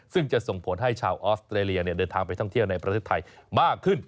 ซึ่งจะส่งผลให้ชาวออสเตรเลียเดินทางไปท่องเที่ยวในประเทศไทยมากขึ้น